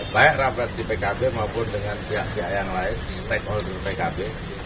baik rapat di pkb maupun dengan pihak pihak yang lain stakeholder pkb